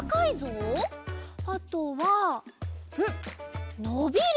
あとはんっのびる！